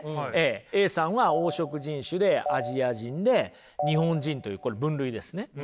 Ａさんは黄色人種でアジア人で日本人というこれ分類ですね。